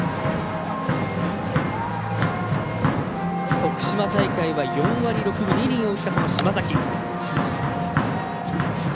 徳島大会は４割６分２厘を打った島崎。